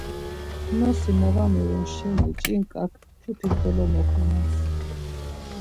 Nosi na var miğun şeni ç̌inǩak kyupis dolomoxunams.